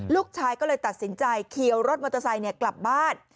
ลูกชายก็เลยตัดสินใจเขียวรถมอเตอร์ไซค์กลับบ้าน